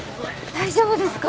大丈夫ですか？